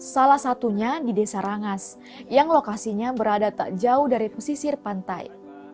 salah satunya di desa rangas yang lokasinya berada tak jauh dari pesisir pantai